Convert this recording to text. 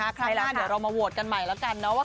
ใครล่ะเดี๋ยวเรามาโหวตกันใหม่แล้วกันนะว่า